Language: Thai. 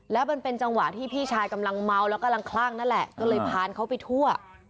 แล้วมันเป็นจังหวะที่พี่ชายกำลังเมาแล้วกำลังคลั่งนั่นแหละก็เลยพาเขาไปทั่ว